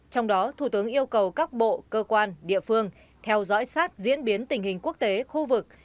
trong đó thủ tướng yêu cầu các bộ cơ quan địa phương theo dõi sát diễn biến tình hình quốc tế khu vực